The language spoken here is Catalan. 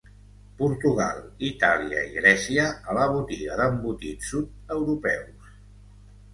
Portugal, Itàlia i Grècia a la botiga d'embotits sud-europeus.